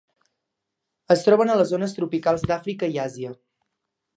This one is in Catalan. Es troben a les zones tropicals d'Àfrica i Àsia.